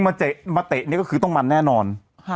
มาเตะนี่ก็คือต้องมันแน่นอน